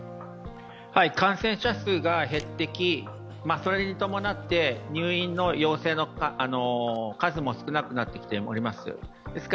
感染者数が減ってき、それに伴って入院の要請の数も少なってきています。